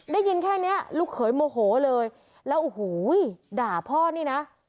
ได้ยินแค่นี้ลูกเขยโมโหเลยแล้วโอ้โหด่าพ่อนี่นะ